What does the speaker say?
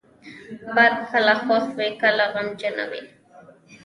باد کله خوښ وي، کله غمجنه وي